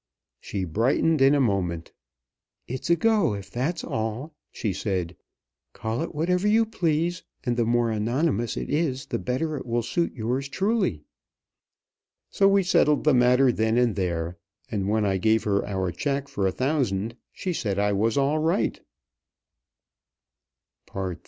She brightened in a moment. "It's a go, if that's all," she said. "Call it whatever you please; and the more anonymous it is, the better it will suit yours truly." So we settled the matter then and there; and when I gave her our check for a thousand, she said I was all right.